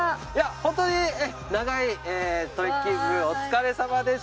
ホントに長いトレッキングお疲れさまでした。